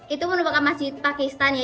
itu merupakan masjid pakistan ya